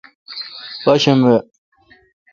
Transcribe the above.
پاشنبہ